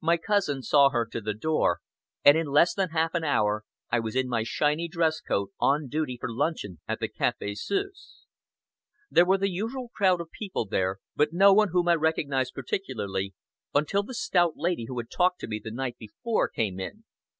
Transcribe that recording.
My cousin saw her to the door, and in less than half an hour I was in my shiny dress coat, on duty for luncheon at the Café Suisse. There were the usual crowd of people there, but no one whom I recognized particularly, until the stout lady who had talked to me the night before came in.